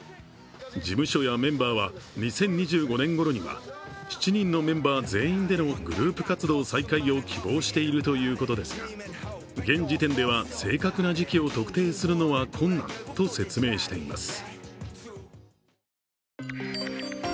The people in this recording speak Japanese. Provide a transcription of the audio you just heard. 事務所やメンバーは２０２５年ごろには７人のメンバー全員でのグループ活動再開を希望しているということですが現時点では正確な時期を特定するのは困難と説明しています。